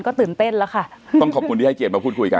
ก็ตื่นเต้นแล้วค่ะต้องขอบคุณที่ให้เกียรติมาพูดคุยกัน